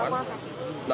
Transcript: apakah masih di tempat pak